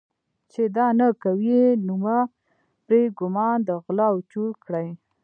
چې دا نه کوي یې نومه پرې ګومان د غله او چور کړي.